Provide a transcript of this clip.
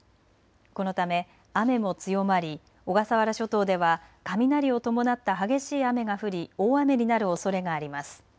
このため雨も強まり小笠原諸島では雷を伴った激しい雨が降り大雨になるおそれがあります。